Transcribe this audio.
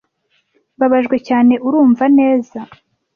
mbabajwe cyane urumva neza